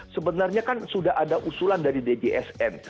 sebenarnya kan sudah ada usulan dari dgsn